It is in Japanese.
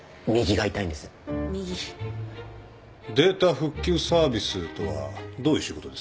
データ復旧サービスとはどういう仕事ですか？